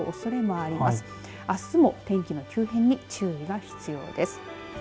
あすも天気の急変に注意が必要です。